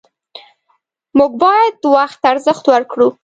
موږ باید وخت ته ارزښت ورکړو